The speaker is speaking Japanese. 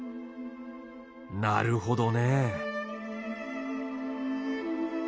なるほどね。